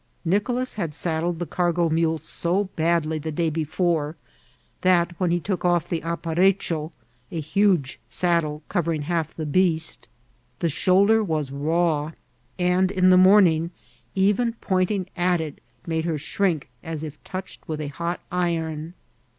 Nicolas had saddled the cargo mule so bad* ly the day before, that when he took off the apparecho (a huge saddle covering Imlf the beast) the shoulder was raw, and in the morning even pointing at it made her THI FACIFIC AGAIK. W5 fthrink as if toached with a hot iron.